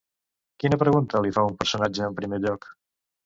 Quina pregunta li fa un personatge en primer lloc?